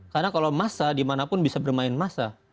karena kalau massa dimanapun bisa bermain massa